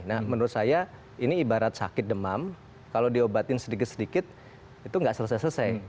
nah menurut saya ini ibarat sakit demam kalau diobatin sedikit sedikit itu nggak selesai selesai